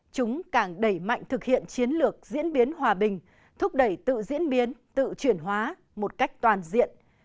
chúng càng đẩy mạnh thực hiện chiến lược diễn biến hòa bình thúc đẩy tự diễn biến tự chuyển hóa một cách toàn diện